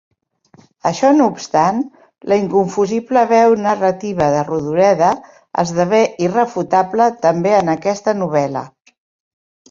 Això no obstant, la inconfusible veu narrativa de Rodoreda esdevé irrefutable també en aquesta novel·la.